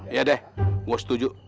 iya deh gue setuju